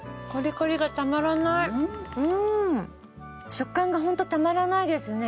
食感がホントたまらないですね！